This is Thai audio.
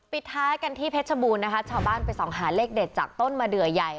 ปิดท้ายกันที่เพชรบูรณ์นะคะชาวบ้านไปส่องหาเลขเด็ดจากต้นมะเดือใหญ่